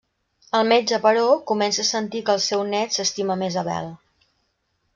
El metge, però, comença a sentir que el seu nét s'estima més Abel.